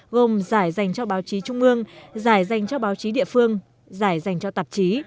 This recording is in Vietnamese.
gồm giải dành cho báo chí trung ương giải dành cho báo chí địa phương giải dành cho tạp chí